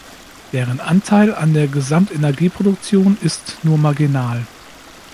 Deren Anteil an der Gesamtenergieproduktion ist nur marginal.